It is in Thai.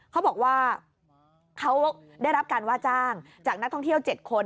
เขาบอกว่าเขาได้รับการว่าจ้างจากนักท่องเที่ยว๗คน